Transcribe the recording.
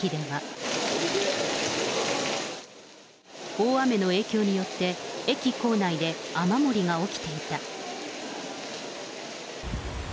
大雨の影響によって、駅構内で雨漏りが起きていた。